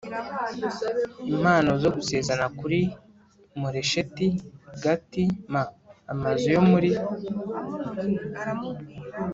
impano zo gusezera kuri Moresheti Gati m Amazu yo muri